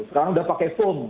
sekarang sudah pakai foam